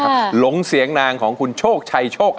ทั้งสี่ยังไงล่ะ